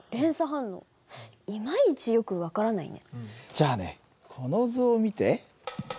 じゃあねこの図を見て。